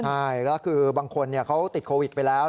ใช่ก็คือบางคนเขาติดโควิดไปแล้ว